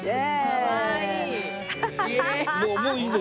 かわいい。